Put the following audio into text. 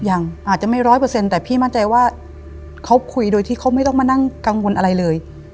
ยังอาจจะไม่ร้อยเปอร์เซ็นต์แต่พี่มั่นใจว่าเขาคุยโดยที่เขาไม่ต้องมานั่งกังวลอะไรเลย